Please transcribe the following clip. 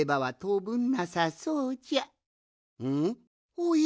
おや？